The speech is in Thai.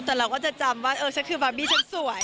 แต่เราก็จะจำว่าเออฉันคือบาร์บี้ฉันสวย